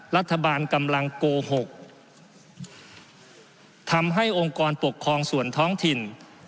รัฐบาลกำลังโกหกทำให้องค์กรปกครองส่วนท้องถิ่น